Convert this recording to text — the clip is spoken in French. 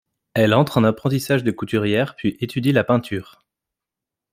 Elle entre en apprentissage de couturière puis étudie, la peinture.